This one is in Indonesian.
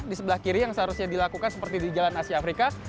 di sebelah kiri yang seharusnya dilakukan seperti di jalan asia afrika